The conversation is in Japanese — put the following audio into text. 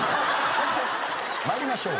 参りましょう。